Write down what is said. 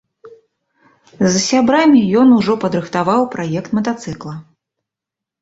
З сябрамі ён ужо падрыхтаваў праект матацыкла.